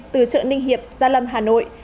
từ trợ ninh hiệp gia lâm hà nội